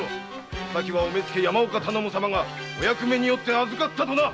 お咲はお目付・山岡頼母様がお役目によって預かったとな！